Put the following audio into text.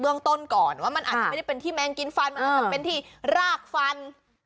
ต้นก่อนว่ามันอาจจะไม่ได้เป็นที่แมงกินฟันมันอาจจะเป็นที่รากฟัน